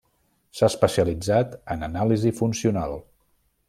S'ha especialitzat en anàlisi funcional.